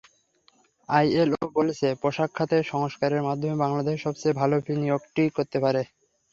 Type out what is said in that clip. ILO বলছে, পোশাক খাতে সংস্কারের মাধ্যমে বাংলাদেশ সবচেয়ে ভালো বিনিয়োগটি করতে পারে।